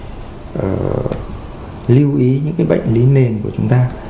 thì chúng ta cần phải lưu ý những cái bệnh lý nền của chúng ta